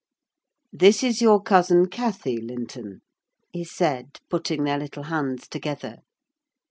"This is your cousin Cathy, Linton," he said, putting their little hands together.